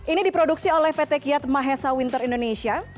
ini diproduksi oleh pt kiat mahesa winter indonesia